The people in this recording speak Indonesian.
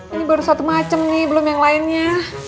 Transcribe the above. ini baru suatu macem nih belum yang lainnya